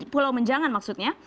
pulau menjangan maksudnya